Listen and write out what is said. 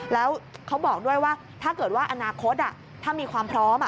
แล้วเขาบอกด้วยว่าถ้าเกิดว่าอนาคตถ้ามีความพร้อม